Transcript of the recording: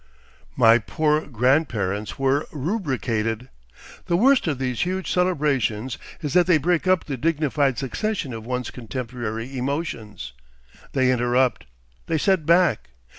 My poor grandparents were—rubricated. The worst of these huge celebrations is that they break up the dignified succession of one's contemporary emotions. They interrupt. They set back.